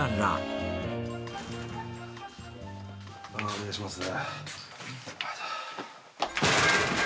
お願いします。